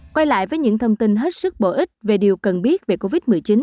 quay lại với những thông tin hết sức bổ ích về điều cần biết về covid một mươi chín